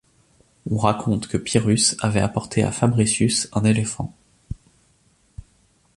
On raconte que Pyrrhus avait apporté à Fabricius un éléphant.